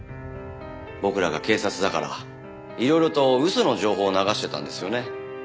僕らが警察だからいろいろと嘘の情報を流してたんですよね？